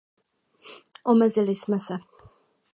Omezili jsme se.